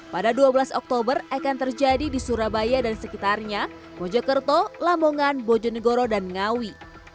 pada dua belas oktober akan terjadi di surabaya dan sekitarnya mojokerto lamongan bojonegoro dan ngawi